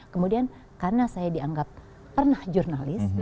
kemudian karena saya dianggap pernah jurnalis